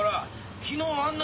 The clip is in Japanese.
昨日あんな